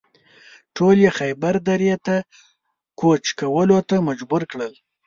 ټول یې خیبر درې ته کوچ کولو ته مجبور کړل.